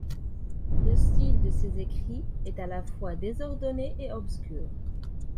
Le style de ses écrits est à la fois désordonné et obscur.